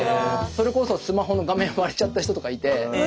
それこそスマホの画面割れちゃった人とかいて。